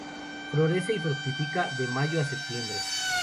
Florece y fructifica de Mayo a Septiembre.